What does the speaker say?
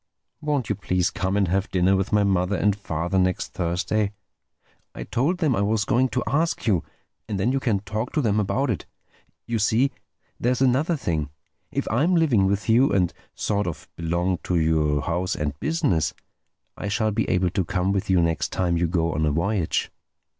Won't you please come and have dinner with my mother and father next Thursday—I told them I was going to ask you—and then you can talk to them about it. You see, there's another thing: if I'm living with you, and sort of belong to your house and business, I shall be able to come with you next time you go on a voyage."